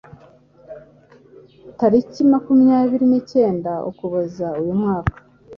tariki makumyabiri nicyenda Ukuboza uyu mwaka